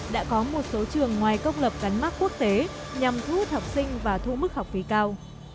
đã có một số trường ngoài công lập gắn mắt quốc tế nhằm thu hút học sinh và thu mức học phí cao